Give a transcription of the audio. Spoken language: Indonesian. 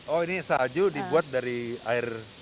oh ini salju dibuat dari air